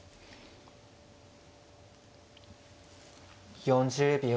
４０秒。